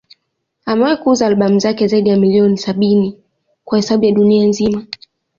Amewahi kuuza albamu zake zaidi ya milioni sabini kwa hesabu ya dunia nzima.